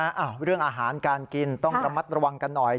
อ้าวเรื่องอาหารการกินต้องระมัดระวังกันหน่อย